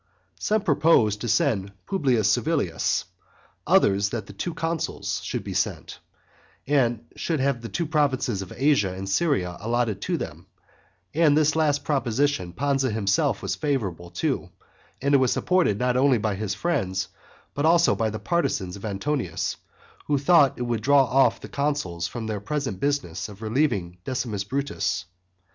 Some proposed to send Publius Servilus; others, that the two consuls should be sent, and should have the two provinces of Asia and Syria allotted to them, and this last proposition Pansa himself was favourable to, and it was supported not only by his friends, but also by the partisans of Antonius, who thought it would draw off the consuls from their present business of relieving Decimus Brutus.